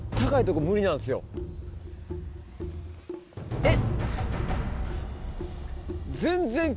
えっ。